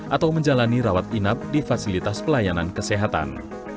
atau menjalani rawat inap di fasilitas pelayanan kesehatan